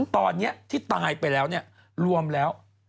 ตอนนี้ที่ตายไปแล้วรวมแล้ว